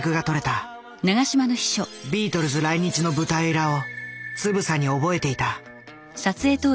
ビートルズ来日の舞台裏をつぶさに覚えていた。